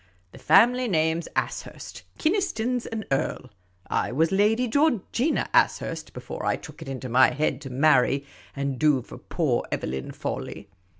The family name 's Ashurst. Kynaston 's an earl — I was Lady Georgina Ashurst before I took it into my head to marry and do for poor Evelyn Fawley.